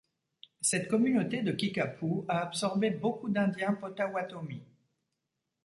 Cette communauté de Kickapoo a absorbé beaucoup d'Indiens Potawatomi.